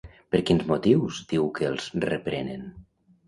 Per quins motius diu que els reprenen?